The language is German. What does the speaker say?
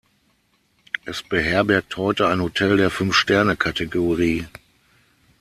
Es beherbergt heute ein Hotel der Fünf-Sterne-Kategorie.